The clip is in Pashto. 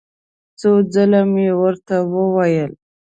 څو ځل مې ورته وویل.